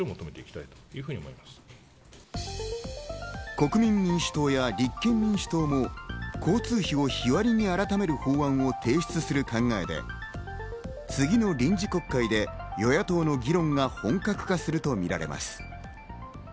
国民民主党や立憲民主党も交通費を日割りに改める法案を提出する考えで、次の臨時国会で与野党の議論が本格化するとみられます。